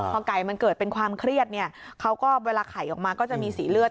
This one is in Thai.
พอไก่มันเกิดเป็นความเครียดเนี่ยเขาก็เวลาไข่ออกมาก็จะมีสีเลือด